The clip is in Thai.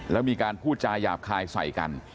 แล้วมีการพูดจาหยาบคายใส่กัน